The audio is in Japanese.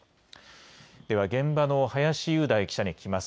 では現場の林雄大記者に聞きます。